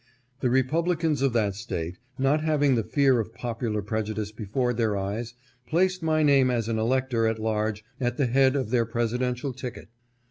The Republi cans of that State, not having the fear of popular preju dice before their eyes, placed my name as an elector at large at the head of their presidential ticket.